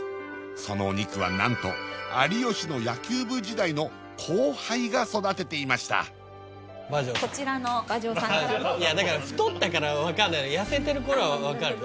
そのお肉はなんと有吉の野球部時代の後輩が育てていましたこちらの馬上さんからのだから太ったから分かんない痩せてる頃は分かるよ